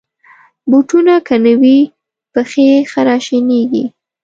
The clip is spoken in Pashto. بوټونه که نه وي، پښې خراشانېږي.